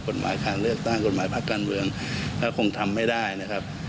กฎหมายการเลือกตั้งกฎหมายพักการเมืองก็คงทำไม่ได้นะครับ